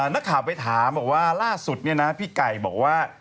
นักข่าวไปถามบอกว่าล่าสุดเนี่ยนะพี่ไก่บอกว่า